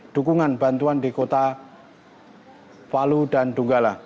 dukungan bantuan di kota palu dan donggala